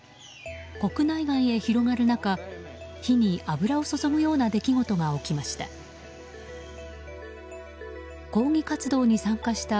国内外へ広がる中火に油を注ぐような出来事が起きました。